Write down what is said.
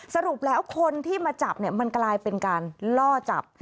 สรุปแล้วคนที่มาจับเนี่ยมันกลายเป็นการล่อจับ